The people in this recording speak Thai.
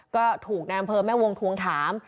ก็ถูกในอำเภอแม่วงทวงถาม